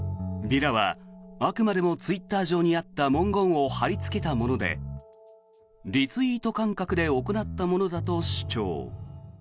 ビラはあくまでもツイッター上にあった文言を貼りつけたものでリツイート感覚で行ったものだと主張。